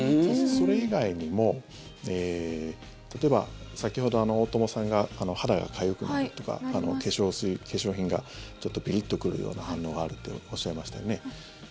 それ以外にも例えば、先ほど大友さんが肌がかゆくなるとか化粧品がピリッと来るような反応があるとおっしゃいましたよね。